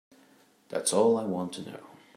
That's all I want to know.